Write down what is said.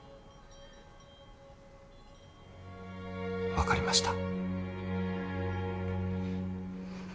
分かりました。